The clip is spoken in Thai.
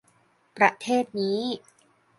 ประเทศนี้